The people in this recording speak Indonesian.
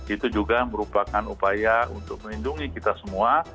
itu juga merupakan upaya untuk melindungi kita semua